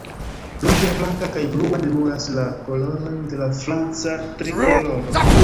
Ruĝa, blanka, kaj blua memoras la kolorojn de la franca Trikoloro.